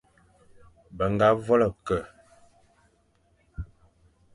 Be ñga vôl-e-ke,